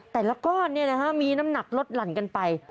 แต่ละก้อนนี่นะครับมีน้ำหนักลดหลั่นกันไป